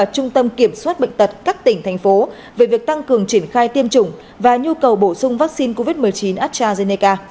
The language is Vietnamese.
chúng tôi xin được thông tin mời các bạn